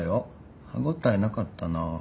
歯応えなかったな。